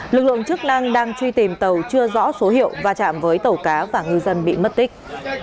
lực lượng chức năng đang truy tìm tàu chưa rõ số hiệu và chạm với tàu cá và ngư dân bị mất tích